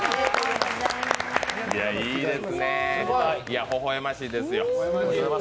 いいですね、ほほ笑ましいですよ。